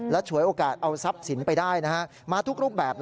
ฉวยโอกาสเอาทรัพย์สินไปได้มาทุกรูปแบบ